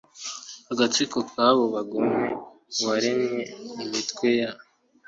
agatsiko k abo bagome uwaremye imitwe ya